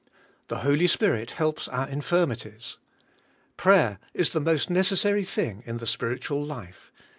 The Holy Spirit helps our infirmities. Prayer is the most necessary thing in the spiritual life.